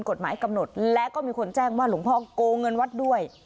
กฎหมายกำหนดและก็มีคนแจ้งว่าหลวงพ่อโกงเงินวัดด้วย